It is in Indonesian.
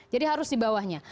jadi harus di bawahnya